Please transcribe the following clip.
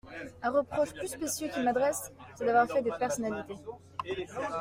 Un reproche plus spécieux qu'ils m'adressent, c'est d'avoir fait des personnalités.